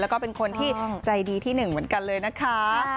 แล้วก็เป็นคนที่ใจดีที่หนึ่งเหมือนกันเลยนะคะ